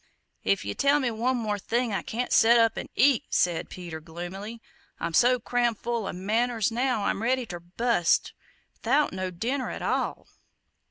"If yer tell me one more thing I can't set up an' eat," said Peter, gloomily; "I'm so cram full o' manners now I'm ready ter bust 'thout no dinner at all."